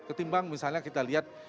ketimbang misalnya kita lihat